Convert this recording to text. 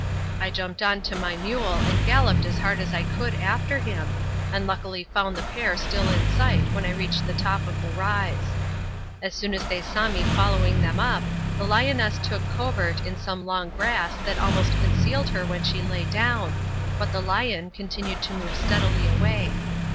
I jumped on to my mule and galloped as hard as I could after him, and luckily found the pair still in sight when I reached the top of the rise. As soon as they saw me following them up, the lioness took covert in some long grass that almost concealed her when she lay down, but the lion continued to move steadily away.